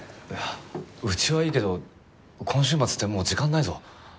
いやうちはいいけど今週末ってもう時間ないぞ。